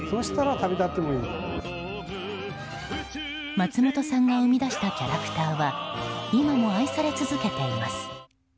松本さんが生み出したキャラクターは今も愛され続けています。